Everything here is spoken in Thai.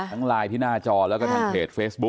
ไลน์ที่หน้าจอแล้วก็ทางเพจเฟซบุ๊